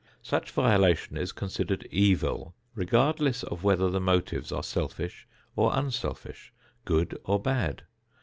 Such violation is considered evil regardless of whether the motives are selfish or unselfish, good or bad.